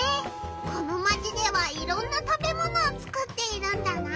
このマチではいろんな食べものをつくっているんだな！